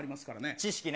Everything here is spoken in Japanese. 知識ね。